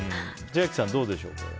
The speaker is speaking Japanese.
千秋さんはどうでしょう、これ。